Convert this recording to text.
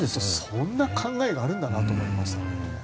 そんな考えがあるんだなと思いましたね。